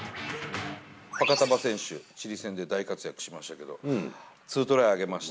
ファカタヴァ選手、チリ戦で大活躍しましたけど、２トライ挙げました。